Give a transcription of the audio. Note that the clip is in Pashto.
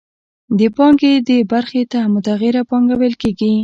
د پانګې دې برخې ته متغیره پانګه ویل کېږي